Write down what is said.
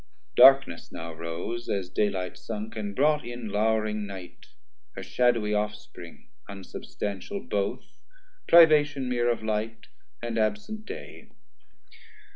Darkness now rose, As day light sunk, and brought in lowring night Her shadowy off spring unsubstantial both, Privation meer of light and absent day.